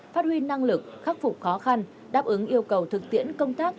phát huy năng lực khắc phục khó khăn đáp ứng yêu cầu thực tiễn công tác